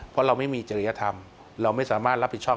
เพราะเราไม่มีจริยธรรมเราไม่สามารถรับผิดชอบ